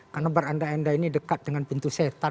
karena berandai andai ini dekat dengan pintu setan